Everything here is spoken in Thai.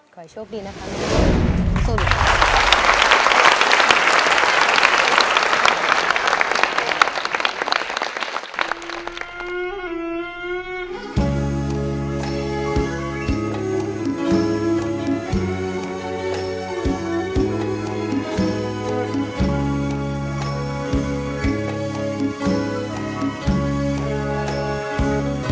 ขอโชคดีนะครับสุดยอด